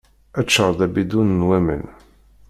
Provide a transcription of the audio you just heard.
Ččar-d abidun n waman.